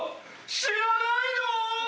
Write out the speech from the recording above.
知らないの？